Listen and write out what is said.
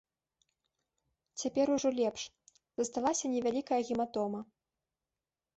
Цяпер ужо лепш, засталася невялікая гематома.